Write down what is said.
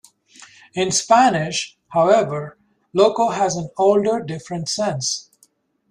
In Spanish, however, "loco" has an older, different sense.